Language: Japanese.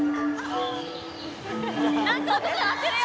なんか音が鳴ってるよ。